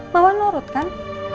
mama nurut kan